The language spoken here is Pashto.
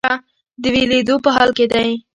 د ویلیدو په حال کې دی.